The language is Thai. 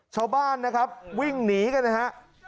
ชาวบ้านนะครับวิ่งหนีกันนะฮะ